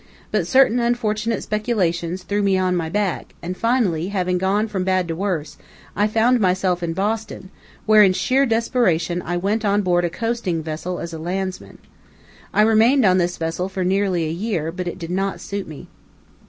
But certain unfortunate speculations threw me on my back, and finally, having gone from bad to worse, I found myself in Boston, where, in sheer desperation, I went on board a coasting vessel as landsman. I remained on this vessel for nearly a year, but it did not suit me.